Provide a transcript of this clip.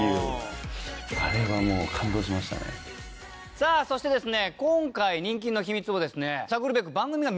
さあそしてですね。